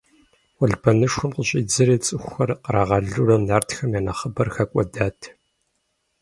Уэлбанэшхуэм къыщӀидзэри, цӀыхухэр кърагъэлурэ нартхэм я нэхъыбэр хэкӀуэдат.